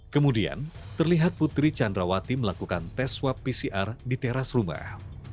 kemudian terlihat putri candrawati melakukan tes swab pcr di teras rumah